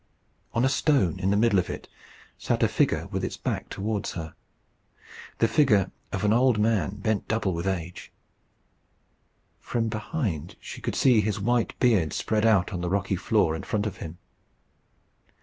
On a stone in the middle of it sat a figure with its back towards her the figure of an old man bent double with age. From behind she could see his white beard spread out on the rocky floor in front of him.